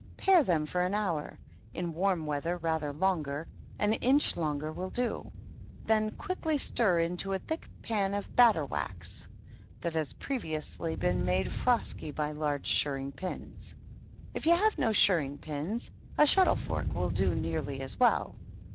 Pare them for an hour ; in warm weather rather longeTy — an inch longer toiU do. Then quickly stir into a thick pan of batter wax that has previously been made frosky by large shirring pins. If you have no shirring pinSy a shuttle fork will do nearly as well.